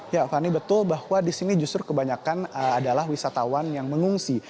ya fani betul bahwa di sini justru kebanyakan adalah wisatawan yang mengungsi